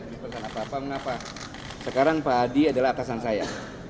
di persanapa apa kenapa sekarang pak hadi adalah atasan saya